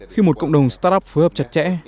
khi một cộng đồng startup phối hợp chặt chẽ